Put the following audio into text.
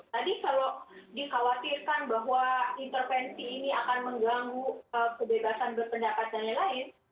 tadi kalau disawatirkan bahwa intervensi ini akan mengganggu kebebasan berpendapatan yang lain